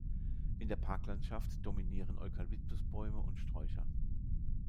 In der Parklandschaft dominieren Eukalyptusbäume und Sträucher.